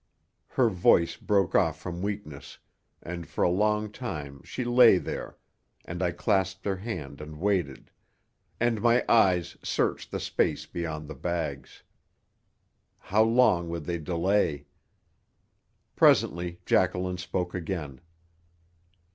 Her voice broke off from weakness, and for a long time she lay there, and I clasped her hand and waited, and my eyes searched the space beyond the bags. How long would they delay? Presently Jacqueline spoke again.